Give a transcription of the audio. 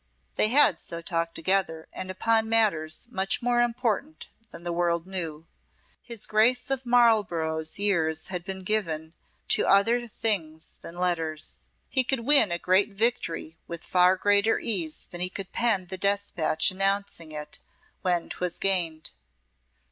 They had so talked together, and upon matters much more important than the world knew. His Grace of Marlborough's years had been given to other things than letters. He could win a great victory with far greater ease than he could pen the dispatch announcing it when 'twas gained.